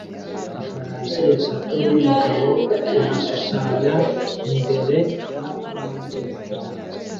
Ifarashi eshatu numugabo barashushanyije imbere ya orange na orange